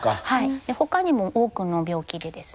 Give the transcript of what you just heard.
ほかにも多くの病気でですね